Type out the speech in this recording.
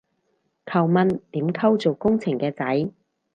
求問點溝做工程嘅仔